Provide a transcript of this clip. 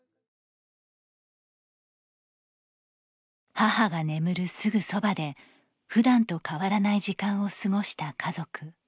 母が眠るすぐそばでふだんと変わらない時間を過ごした家族。